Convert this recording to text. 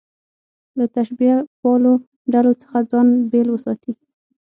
له تشبیه پالو ډلو څخه ځان بېل وساتي.